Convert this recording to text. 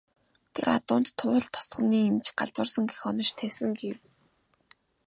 Тэр адуунд Туул тосгоны эмч "галзуурсан" гэх онош тавьсан гэж гэв.